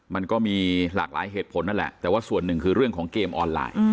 มันก็มีหลากหลายเหตุผลนั่นแหละแต่ว่าส่วนหนึ่งคือเรื่องของเกมออนไลน์